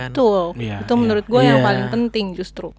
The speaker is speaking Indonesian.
betul itu menurut gue yang paling penting justru